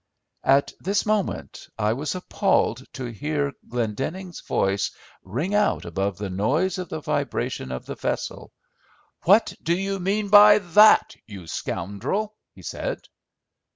At this moment I was appalled to hear Glendenning's voice ring out above the noise of the vibration of the vessel. "What do you mean by that, you scoundrel," he said.